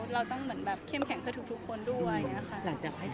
เราต้องเหมือนแบบเข้มแข็งเขาถึงทุกคนด้วย